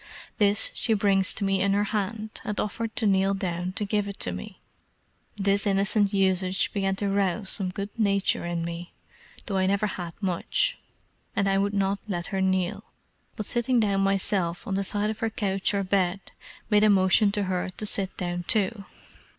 This she brings to me in her hand, and offered to kneel down to give it me. This innocent usage began to rouse some good nature in me (though I never had much), and I would not let her kneel; but sitting down myself on the side of her couch or bed, made a motion to her to sit down too.